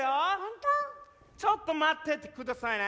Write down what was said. ちょっと待ってて下さいね。